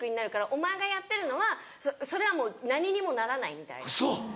お前がやってるのはそれはもう何にもならないみたいな。